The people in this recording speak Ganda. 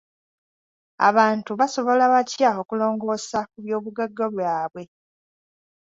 Abantu basobola batya okulongoosa ku by'obugagga byabwe.